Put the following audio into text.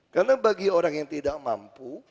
karena bagi orang yang tidak mampu